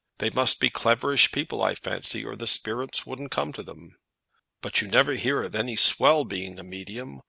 They must be cleverish people, I fancy, or the spirits wouldn't come to them." "But you never hear of any swell being a medium.